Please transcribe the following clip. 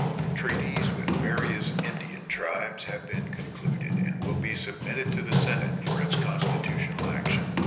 Treaties with various Indian tribes have been concluded, and will be submitted to the Senate for its constitutional action.